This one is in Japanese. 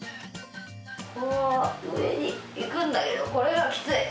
こう上に行くんだけどこれがきつい。